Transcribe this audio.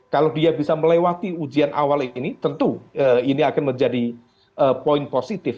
kalau dia bisa melewati ujian awal ini tentu ini akan menjadi poin positif